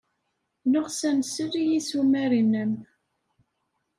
Neɣs ad nsel i yissumar-nnem.